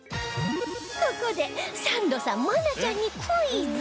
ここでサンドさん愛菜ちゃんにクイズ